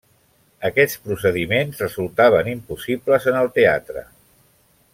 Aquests procediments resultaven impossibles en el teatre.